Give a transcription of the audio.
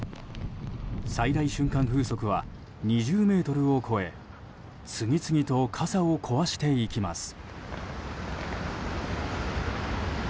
最大瞬間風速は２０メートルを超え次々と傘を壊していきます。